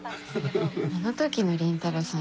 あの時の倫太郎さん